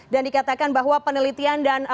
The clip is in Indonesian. dan dikatakan bahwa penelitian dan